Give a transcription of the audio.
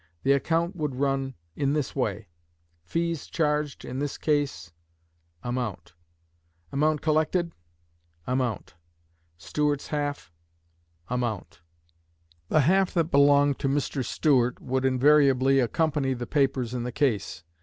The account would run in this way: Fees charged in this case................$ Amount collected.........................$ Stuart's half............................$ The half that belonged to Mr. Stuart would invariably accompany the papers in the case.